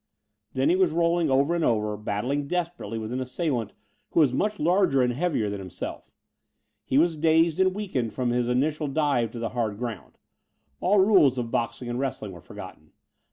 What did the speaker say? Then he was rolling over and over, battling desperately with an assailant who was much larger and heavier than himself. He was dazed and weakened from his initial dive to the hard ground. All rules of boxing and wrestling were forgotten.